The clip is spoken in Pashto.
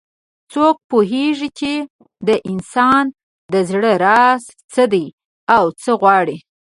څوک پوهیږي چې د انسان د زړه راز څه ده او څه غواړي